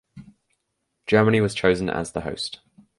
Germany was chosen as the host.